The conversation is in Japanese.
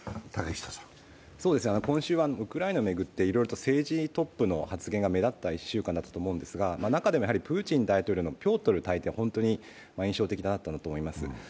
今週はウクライナを巡って政治トップの発言が目立った１週間だったと思うんですが中でもプーチン大統領のピョートル大帝は本当に印象的だと思います。